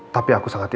tapi aku sangat yakin